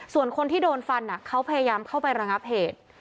ส่วนคนที่โดนฟันเขาพยายามเข้าไประงับเหตุ